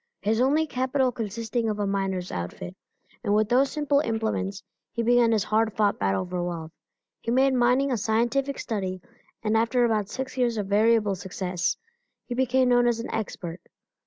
His only capital consisting of a miner's outfit, and with those simple implements he began his hard fought battle for wealth. He made mining a scientific study and after about six years of variable success, he became known as an expert.